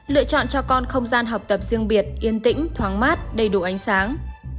lựa chọn cho con không gian học tập riêng biệt yên tĩnh thoáng mát đầy đủ ánh sáng